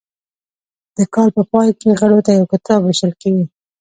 د کال په پای کې غړو ته یو کتاب ویشل کیږي.